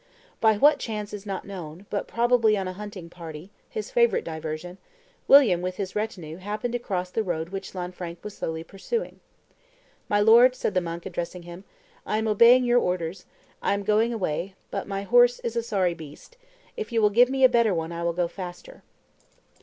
By what chance is not known, but probably on a hunting party, his favorite diversion, William, with his retinue, happened to cross the road which Lanfranc was slowly pursuing. "My lord," said the monk, addressing him, "I am obeying your orders; I am going away, but my horse is a sorry beast; if you will give me a better one, I will go faster."